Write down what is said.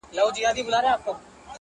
ډک جامونه صراحي ده که صهبا دی-